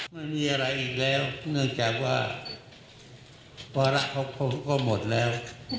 ไม่มีอะไรอีกแล้วเนื่องจากว่าวาระเขาก็หมดแล้ว